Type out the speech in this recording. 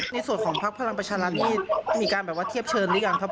ในส่วนของพักพลังประชารัฐนี่มีการแบบว่าเทียบเชิญหรือยังครับ